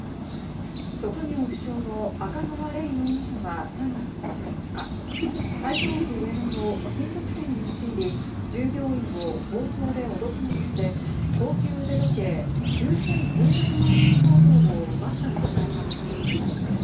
職業不詳の赤川蓮容疑者は、３月２４日台東区上野の貴金属店に押し入り従業員を包丁で脅すなどして高級腕時計９９００万円相当を奪った疑いが持たれています。